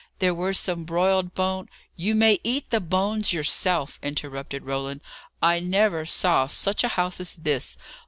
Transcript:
There were some broiled bo " "You may eat the bones yourself," interrupted Roland. "I never saw such a house as this!